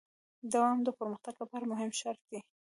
دوام د پرمختګ لپاره مهم شرط دی.